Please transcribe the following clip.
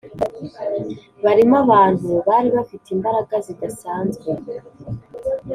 barimo abantu bari bafite imbaraga zidasanzwe.